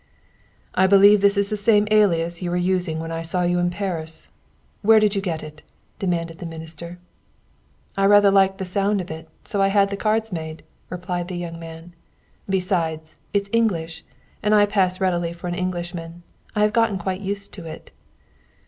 "I believe this is the same alias you were using when I saw you in Paris. Where did you get it?" demanded the minister. "I rather liked the sound of it, so I had the cards made," replied the young man. "Besides, it's English, and I pass readily for an Englishman. I have quite got used to it."